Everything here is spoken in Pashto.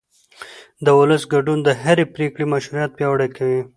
د ولس ګډون د هرې پرېکړې مشروعیت پیاوړی کوي